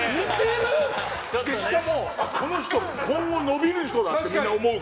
しかもこの人今度伸びる人だから。